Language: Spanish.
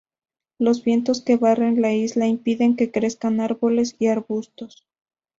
Los vientos que barren la isla impiden que crezcan árboles y arbustos.